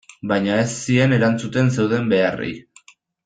Baina ez zien erantzuten zeuden beharrei.